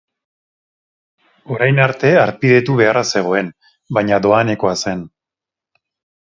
Orain arte harpidetu beharra zegoen, baina doanekoa zen.